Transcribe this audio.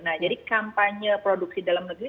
nah jadi kampanye produksi dalam negeri